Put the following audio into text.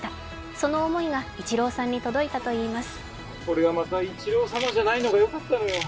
その思いがイチローさんに届いたといいます。